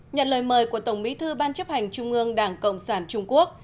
nhận lời mời của tổng bí thư ban chấp hành trung ương đảng cộng sản trung quốc